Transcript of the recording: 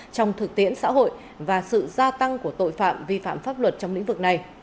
trong thực tiễn xã hội và sự gia tăng của tội phạm vi phạm pháp luật trong lĩnh vực này